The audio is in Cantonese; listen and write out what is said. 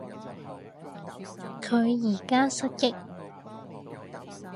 佢而家失憶